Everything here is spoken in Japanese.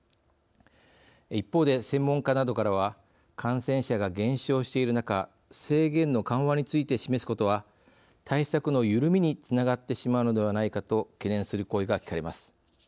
一方で、専門家などからは感染者が減少している中制限の緩和について示すことは対策の緩みにつながってしまうのではないかと懸念する声が聞かれます。